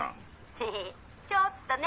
☎ヘヘヘちょっとね。